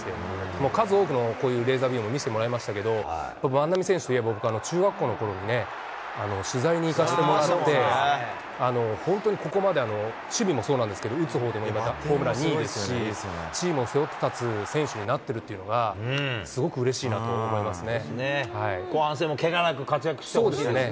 もう数多くのレーザービームを見せてもらいましたけれども、万波選手といえば、僕、中学校のころにね、取材に行かせてもらって、本当にここまで、守備もそうなんですけど、打つほうでもホームラン２位ですし、チームを背負って立つ選手になってるっていうのが、すごくうれしいなと思いますね。